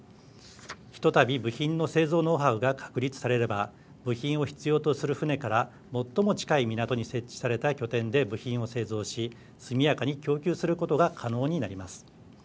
ひとたび部品の製造ノウハウが確立されれば部品を必要とする船から最も近い港に設置された拠点で部品を製造し速やかに供給することが可能になります。